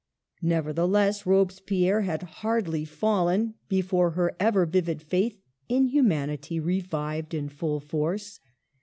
" Nevertheless, Robespierre had hardly fallen, before her ever vivid faith in humanity revived in full force.